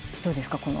どうですか？